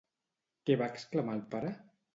Què va exclamar el pare?